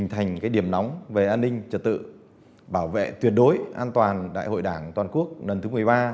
thành điểm nóng về an ninh trật tự bảo vệ tuyệt đối an toàn đại hội đảng toàn quốc lần thứ một mươi ba